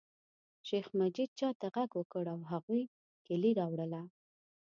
شیخ مجید چاته غږ وکړ او هغوی کیلي راوړله.